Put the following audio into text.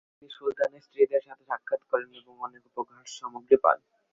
তিনি সুলতানের স্ত্রীদের সাথেও সাক্ষাৎ করেন এবং অনেক উপহার সামগ্রী পান।